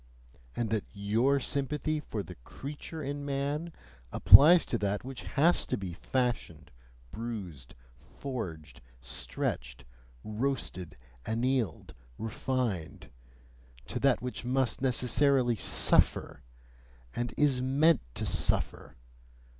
And that YOUR sympathy for the "creature in man" applies to that which has to be fashioned, bruised, forged, stretched, roasted, annealed, refined to that which must necessarily SUFFER, and IS MEANT to suffer?